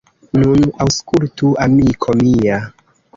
Nun aŭskultu, amiko mia.